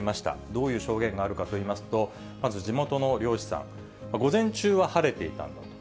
どういう証言があるかといいますと、まず地元の漁師さん、午前中は晴れていたんだと。